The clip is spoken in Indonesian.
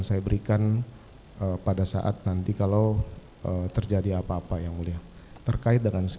saya berikan pada saat nanti kalau terjadi apa apa yang mulia terkait dengan